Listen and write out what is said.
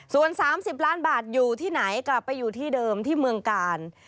ส่วน๓๐ล้านบาทอยู่ที่ไหนกลับไปอยู่ที่เดิมที่เมืองกาล